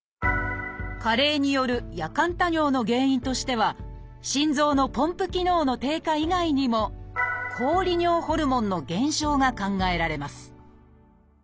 加齢による夜間多尿の原因としては心臓のポンプ機能の低下以外にも抗利尿ホルモンの減少が考えられます